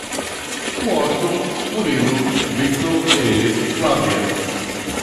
Washington, Murilo, Víctor e Flávia